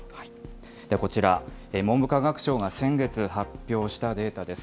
こちら、文部科学省が先月発表したデータです。